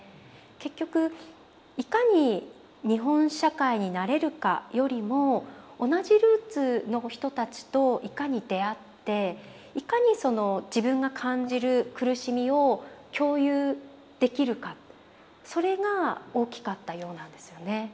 結局いかに日本社会に慣れるかよりも同じルーツの人たちといかに出会っていかにその自分が感じる苦しみを共有できるかそれが大きかったようなんですよね。